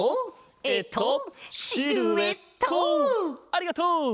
ありがとう！